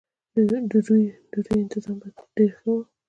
د ډوډۍ انتظام به یې ډېر ښه و.